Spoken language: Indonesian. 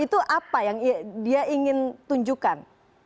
itu apa yang dia ingin tunjukkan